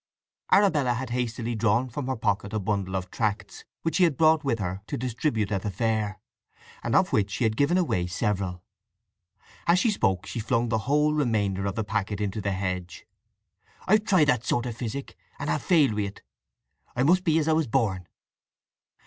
Arabella had hastily drawn from her pocket a bundle of tracts which she had brought with her to distribute at the fair, and of which she had given away several. As she spoke she flung the whole remainder of the packet into the hedge. "I've tried that sort o' physic and have failed wi' it. I must be as I was born!"